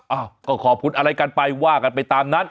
อ้าวก็ขอบคุณอะไรกันไปว่ากันไปตามนั้น